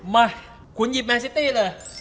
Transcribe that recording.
มาคุณหยิบแมนซิตี้เลย